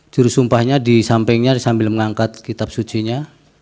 jurusumpahnya di sampingnya sambil mengangkat kitab suci nya